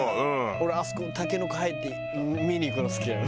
俺あそこのタケノコ生えて見に行くの好きなの。